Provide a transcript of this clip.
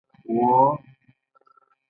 فلم د انصاف غږ دی